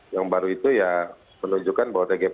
yang baru itu ya menunjukkan bahwa tgp